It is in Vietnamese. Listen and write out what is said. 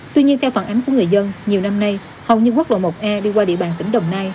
tuy nhiên theo phản ánh của người dân nhiều năm nay hầu như quốc lộ một a đi qua địa bàn tỉnh đồng nai